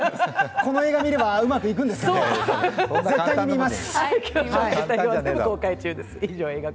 この映画を見ればうまくいくんですかね、絶対に見ます！